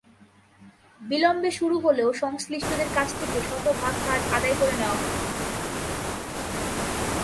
বিলম্বে শুরু হলেও সংশ্লিষ্টদের কাছ থেকে শতভাগ কাজ আদায় করে নেওয়া হবে।